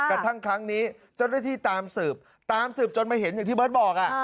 กระทั่งครั้งนี้เจ้าหน้าที่ตามสืบตามสืบจนมาเห็นอย่างที่เบิร์ตบอก